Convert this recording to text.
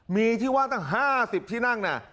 มีที่ว่าตั้ง๕๐ที่นั่งเนี่ย